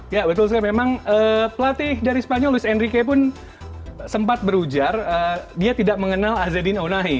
ya betul sekali memang pelatih dari spanyol luis enrique pun sempat berujar dia tidak mengenal azedin onai